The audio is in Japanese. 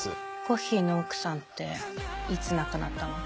コッヒーの奥さんっていつ亡くなったの？